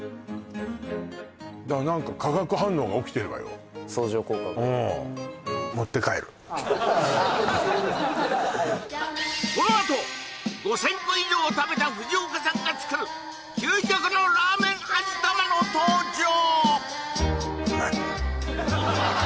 うん相乗効果がうんこのあと５０００個以上を食べた藤岡さんが作る究極のラーメン味玉の登場！